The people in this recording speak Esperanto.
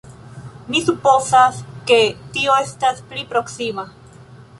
Mi supozas ke tio estas pli proksima.